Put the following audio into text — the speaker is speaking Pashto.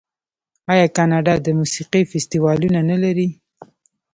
آیا کاناډا د موسیقۍ فستیوالونه نلري؟